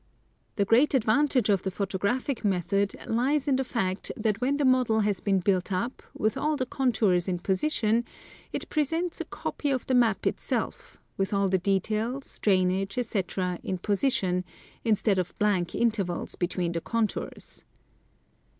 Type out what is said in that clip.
The great advantage of the photographic method lies in the fact that when the model has been built up, with all the contours in position, it presents a copy of the map itself, with all the details, drainage, etc., in position, instead of blank intervals between the contours.